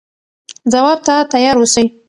ځواب ته تیار اوسئ.